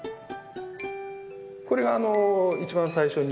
これがあの一番最初に。